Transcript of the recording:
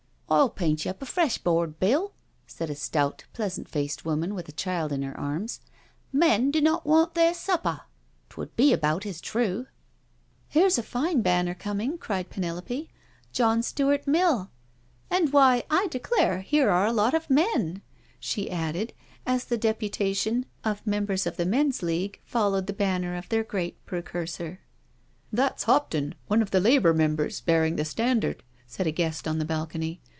I'll paint you up a fresh board, Bill," said a stout, pleasant faced woman with a child in her arms. *' Men do not want their supper— t'would be about as true.'* *' Here's a fine banner coming," cried Penelope, " John Stuart Mill— and why, I declare here are a lot of men," she added, as the deputation of Members of the Men's League followed the banner of their great precursor. •• That's Hopton— one of the Labour Members— bear ing the standard," said a guest on the balcony.